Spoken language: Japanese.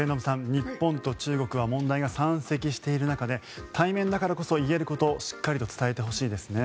日本と中国は問題が山積している中で対面だからこそ言えることしっかりと伝えてほしいですね。